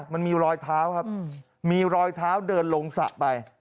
มันมีรอยเท้าครับมีรอยเท้าเดินลงสระไป